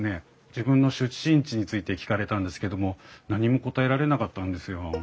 自分の出身地について聞かれたんですけども何も答えられなかったんですよ。